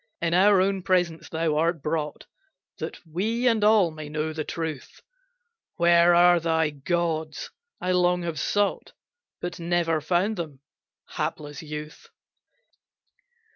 In our own presence thou art brought That we and all may know the truth Where are thy gods? I long have sought But never found them, hapless youth.